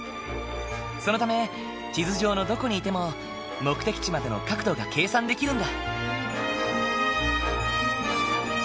そのため地図上のどこにいても目的地までの角度が計算できるんだ。